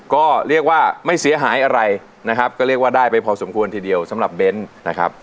ก็เรียกว่าไม่เสียหายอะไรนะครับก็เรียกว่าได้ไปพอสมควรทีเดียวสำหรับเบ้นนะครับ